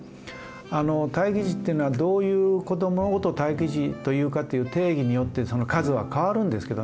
待機児っていうのはどういう子どものことを待機児というかっていう定義によってその数は変わるんですけどね。